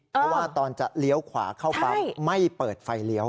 เพราะว่าตอนจะเลี้ยวขวาเข้าปั๊บไม่เปิดไฟเลี้ยว